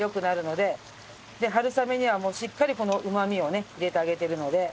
で春雨にはもうしっかりこのうまみをね入れてあげてるので。